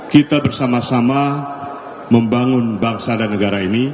kita bersama sama membangun bangsa dan negara ini